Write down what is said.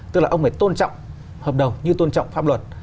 tức là ông phải tôn trọng hợp đồng như tôn trọng pháp luật